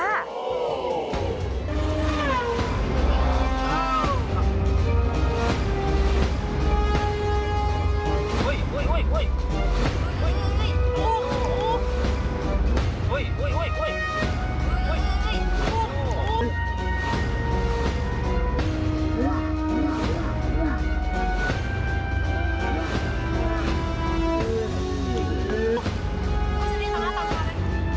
อันนี้ทำราตามมาได้